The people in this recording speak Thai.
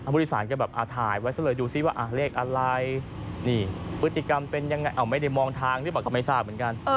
ผู้ธิสารเลยแบบถ่ายไว้ดูสิว่าเลขอะไรพฤติกรรมเป็นยังไงเอ้ามันไม่ได้มองทางได้หรือเปล่าก็ไม่ทราบเหมือนกัน